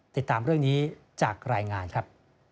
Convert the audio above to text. ติดตามเรื่องนี้จากรายงานครับ